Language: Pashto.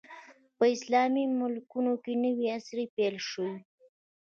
په اسلامي ملکونو کې نوی عصر پیل شو.